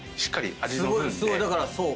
すごいすごいだからそう。